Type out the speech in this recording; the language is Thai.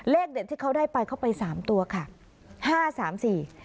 เด็ดที่เขาได้ไปเขาไปสามตัวค่ะห้าสามสี่